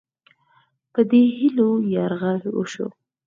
په دې هیلو یرغل وشو.